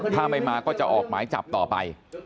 ถ้าไม่มาก็จะออกหมายจับต่อไป